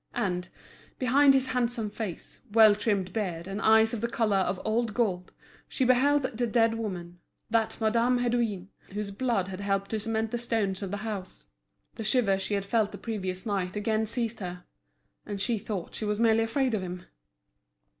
And, behind his handsome face, well trimmed beard, and eyes of the colour of old gold, she beheld the dead woman, that Madame Hédouin, whose blood had helped to cement the stones of the house. The shiver she had felt the previous night again seized her; and she thought she was merely afraid of him.